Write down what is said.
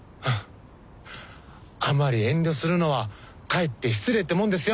あんまり遠慮するのはかえって失礼ってもんですよ。